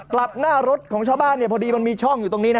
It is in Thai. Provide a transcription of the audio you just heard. กลับหน้ารถของชาวบ้านพอดีมันมีช่องอยู่ตรงนี้